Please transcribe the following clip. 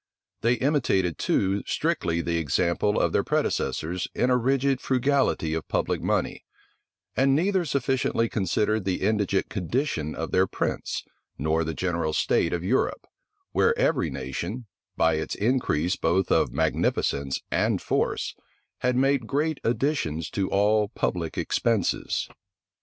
They imitated too strictly the example of their predecessors in a rigid frugality of public money; and neither sufficiently considered the indigent condition of their prince, nor the general state of Europe, where every nation, by its increase both of magnificence and force, had made great additions to all public expenses.